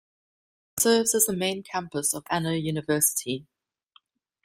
It serves as the main campus of Anna University.